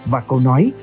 và câu nói